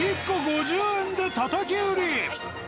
１個５０円でたたき売り。